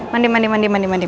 mandi mandi mandi mandi